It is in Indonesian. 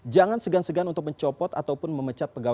jangan segan segan untuk mencopot ataupun memecat pegawai